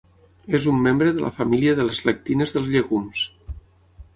És un membre de la família de les lectines dels llegums.